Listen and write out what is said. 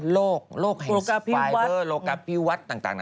โรคการเฮิงสไฟเบอร์ระวัตรพิวัตรต่าง